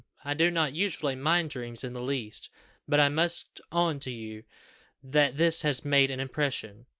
I do not usually mind dreams in the least, but I must own to you that this has made an impression!